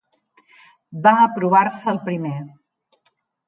Va aprovar-se el primer.